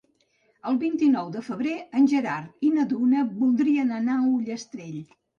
El vint-i-nou de febrer en Gerard i na Duna voldrien anar a Ullastrell.